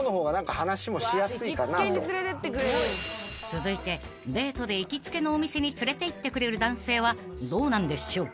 ［続いてデートで行きつけのお店に連れていってくれる男性はどうなんでしょう？］